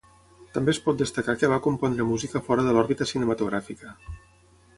També es pot destacar que va compondre música fora de l'òrbita cinematogràfica.